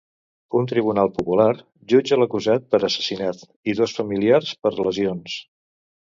Un tribunal popular jutja l'acusat per assassinat i dos familiars per lesions.